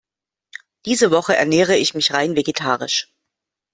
Diese Woche ernähre ich mich rein vegetarisch.